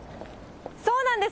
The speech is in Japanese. そうなんです。